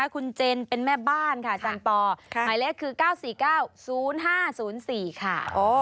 คุณเจนเป็นแม่บ้านค่ะอาจารย์ปอหมายเลขคือ๙๔๙๐๕๐๔ค่ะ